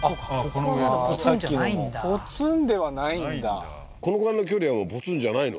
確かにこのぐらいの距離はポツンじゃないの？